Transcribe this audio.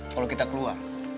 kalo kita keluar